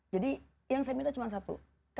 jadi yang saya minta cuma satu